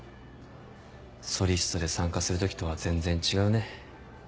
ソリストで参加する時とは全然違うね。